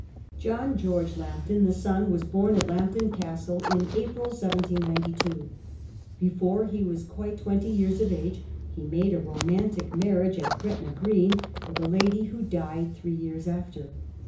John George Lambton, the son, was bom at Lambton Castle in April 1792. Before he was quite twenty years of age, he made a romahtic marriage at Gretna Green with a lady who died three years after.